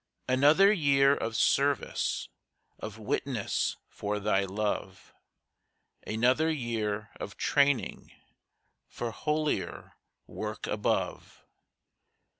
Another year of service, Of witness for Thy love; Another year of training For holier work above.